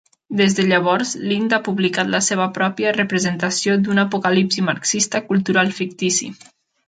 Des de llavors, Lind ha publicat la seva pròpia representació d'una apocalipsi marxista cultural fictici.